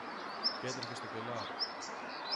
κι έτρεχε στο κελάρι.